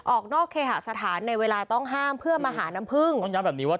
ออกนอกเคหาสถานในเวลาต้องห้ามเพื่อมาหาน้ำพึ่งต้องย้ำแบบนี้ว่า